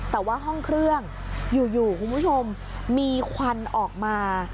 แต่ว่าห้องเครื่องอยู่คุณผู้ชมมีควันออกมา